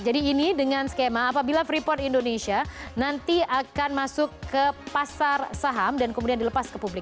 jadi ini dengan skema apabila freeport indonesia nanti akan masuk ke pasar saham dan kemudian dilepas ke publik